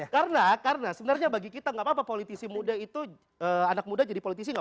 karena karena sebenarnya bagi kita nggak apa apa politisi muda itu anak muda jadi politisi enggak